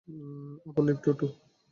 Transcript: আবার লিফটে ওঠো।